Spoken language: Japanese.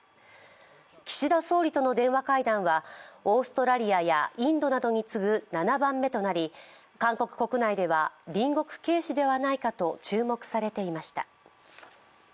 岸田総理との電話会談は、オーストラリアやインドなどに次ぐ７番目となり韓国国内では隣国軽視ではないかと注目されていました。